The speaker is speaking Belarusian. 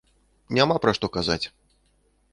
Няма пра што казаць.